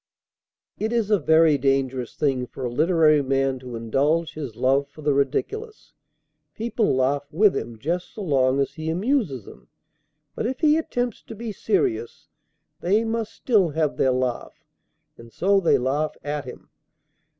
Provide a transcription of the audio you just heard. It is a very dangerous thing for a literary man to indulge his love for the ridiculous. People laugh with him just so long as he amuses them; but if he attempts to be serious, they must still have their laugh, and so they laugh at him.